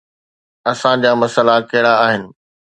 اسان جا مسئلا ڪهڙا آهن؟